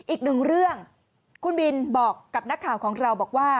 อีกหนึ่งเรื่องคุณบินบอกกับนักข่าวของเราบอกว่า